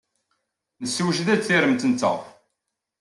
Nessewjed-d tiremt-nteɣ.